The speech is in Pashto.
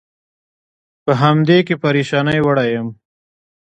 په همدې کې پرېشانۍ وړی یم.